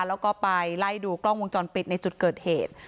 แล้วก็ไปไล่ดูกล้องวงจรปิดในจุดเกิดเหตุ